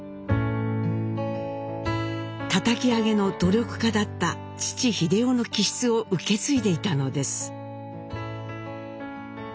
たたき上げの努力家だった父英夫の気質を受け継いでいたのです。